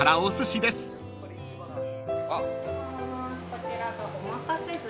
こちらがおまかせずし。